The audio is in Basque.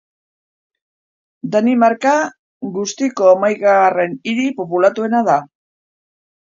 Danimarka guztiko hamaikagarren hiri populatuena da.